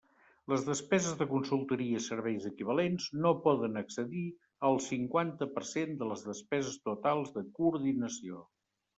Les despeses de consultoria i serveis equivalents no poden excedir el cinquanta per cent de les despeses totals de coordinació.